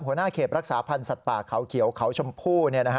หัวหน้าเขตรักษาพันธ์สัตว์ป่าเขาเขียวเขาชมพู่